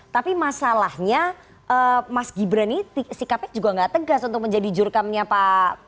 tapi masalahnya mas gibran ini sikapnya juga nggak tegas untuk menjadi jurkamnya pak